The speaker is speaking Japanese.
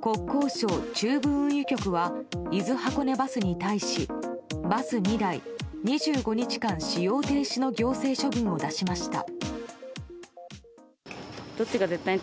国交省中部運輸局は伊豆箱根バスに対しバス２台２５日間使用停止の行政処分を出しました。